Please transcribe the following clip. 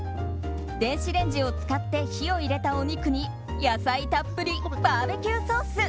電子レンジを使って火を入れたお肉に野菜たっぷりバーベキューソース。